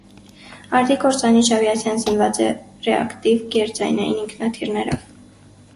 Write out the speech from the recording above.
Արդի կործանիչ ավիացիան զինված է ռեակտիվ գերձայնային ինքնաթիռներով։